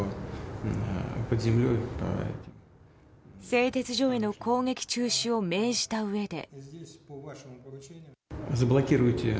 製鉄所への攻撃中止を命じたうえで。